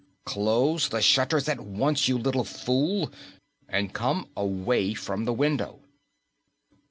"Close the shutters at once, you little fool, and come away from the window!"